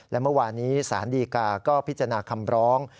และเมื่อวานี้สารดีกาก็พิจารณาคำร้อง